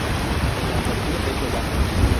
La apertura es oval.